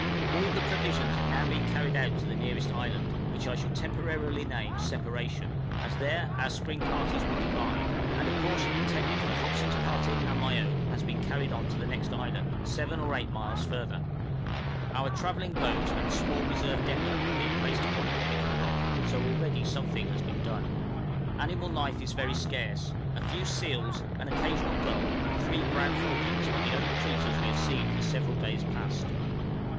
_ All the provisions have now been carried out to the nearest island, which I shall temporarily name Separation, as there our spring parties will divide; and a portion intended for Hobson's party and my own has been carried on to the next island 7 or 8 miles further. Our travelling boat and a small reserve depôt have been placed upon Pemmican Rock, so already something has been done. Animal life is very scarce; a few seals, an occasional gull, and three brown falcons, are the only creatures we have seen for several days past.